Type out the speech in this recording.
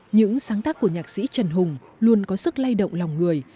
những sáng tác của nhạc sĩ trần hùng luôn có sức lay động lòng người